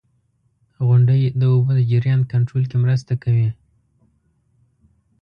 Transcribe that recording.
• غونډۍ د اوبو د جریان کنټرول کې مرسته کوي.